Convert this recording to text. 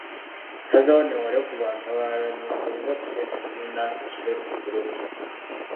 Nsazeewo nneewole ku bantu abalala nyongereze ku ssente ze nnina nsasule ku ppoloti.